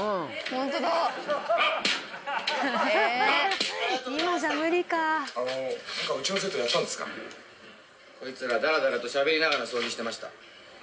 こいつらダラダラとしゃべりながら掃除してました。